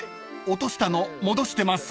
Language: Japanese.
落としたの戻してます？］